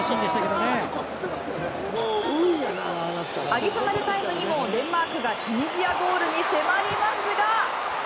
アディショナルタイムにもデンマークがチュニジアゴールに迫りますが。